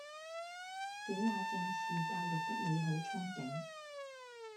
這也正是教育的美好憧憬